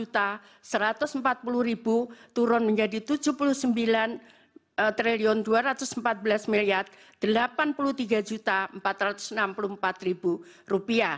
turun menjadi rp tujuh puluh sembilan dua ratus empat belas delapan puluh tiga empat ratus enam puluh empat